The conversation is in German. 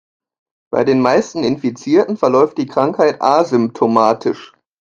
Bei den meisten Infizierten verläuft die Krankheit asymptomatisch.